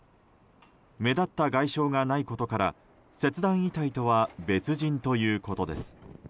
目立った外傷がないことから切断遺体とは別人ということです。